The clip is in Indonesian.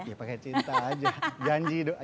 iya pakai cinta aja